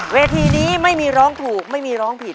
เวทีนี้ไม่มีร้องถูกไม่มีร้องผิด